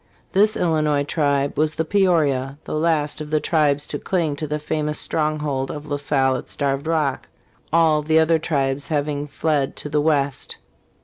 This Illinois tribe was the Peorias, the last of the tribes to cling to the famous stronghold ofrLa Salle at Starved Rock, all the other tribes having fled to the west.